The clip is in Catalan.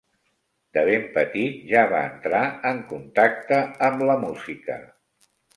De ben petit ja va entrar en contacte amb la música.